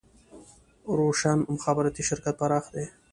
روشن مخابراتي شرکت پراخ دی